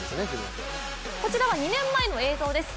こちらは２年前の映像です。